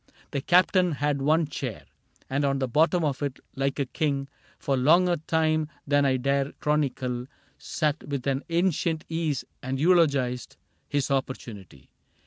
The Captain had one chair; And on the bottom of it, like a king. For longer time than I dare chronicle. Sat with an ancient ease and eulogized His opportunity.